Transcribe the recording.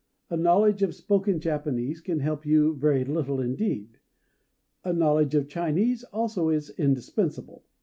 A knowledge of spoken Japanese can help you very little indeed. A knowledge of Chinese also is indispensable.